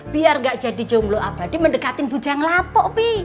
biar nggak jadi jomblo abadi mendekatin bu jeng lapo pipi